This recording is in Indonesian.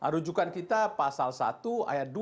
rujukan kita pasal satu ayat dua